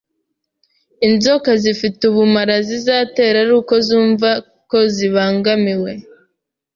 Inzoka zifite ubumara zizatera ari uko zumva ko zibangamiwe.